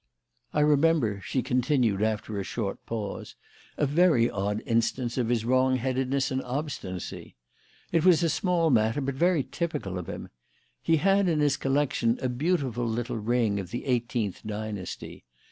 "I remember," she continued, after a short pause, "a very odd instance of his wrong headedness and obstinacy. It was a small matter, but very typical of him. He had in his collection a beautiful little ring of the eighteenth dynasty.